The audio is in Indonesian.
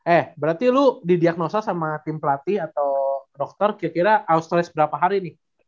eh berarti lu didiagnosa sama tim pelatih atau dokter kira kira australize berapa hari nih